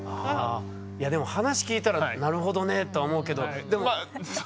いやでも話聞いたらなるほどねとは思うけど。